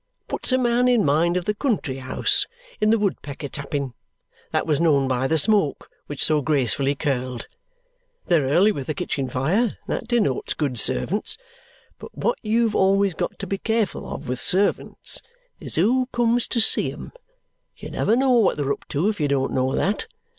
Puts a man in mind of the country house in the Woodpecker tapping, that was known by the smoke which so gracefully curled. They're early with the kitchen fire, and that denotes good servants. But what you've always got to be careful of with servants is who comes to see 'em; you never know what they're up to if you don't know that.